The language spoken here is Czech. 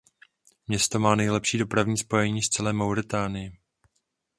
Město má nejlepší dopravní spojení z celé Mauritánie.